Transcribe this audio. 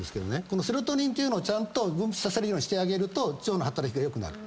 このセロトニンというのをちゃんと分泌させるようにしてあげると腸の働きが良くなる。